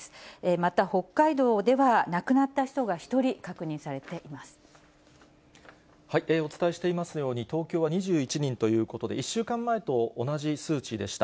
また北海道では、亡くなった人がお伝えしていますように、東京は２１人ということで、１週間前と同じ数値でした。